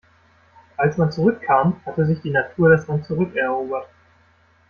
Als man zurückkam, hatte sich die Natur das Land zurückerobert.